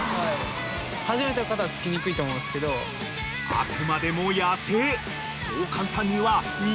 ［あくまでも野生］